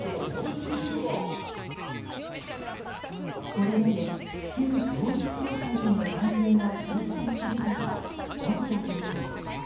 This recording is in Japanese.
これまで旧統一教会との関係が指摘され続けた細田議長。